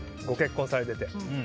ご結婚されていて。